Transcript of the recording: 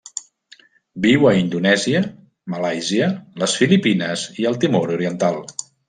Viu a Indonèsia, Malàisia, les Filipines i el Timor Oriental.